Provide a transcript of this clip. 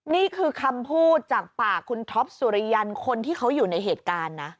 นี่คือคำพูดจากปากคุณท็อปสุริยันคนที่เขาอยู่ในเหตุการณ์นะ